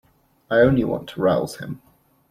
I only want to rouse him.